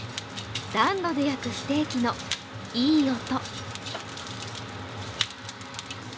暖炉で焼くステーキのいい音。